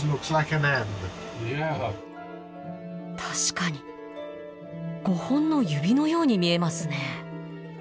確かに５本の指のように見えますね。